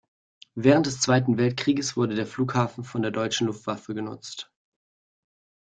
Während des Zweiten Weltkrieges wurde der Flughafen von der deutschen Luftwaffe genutzt.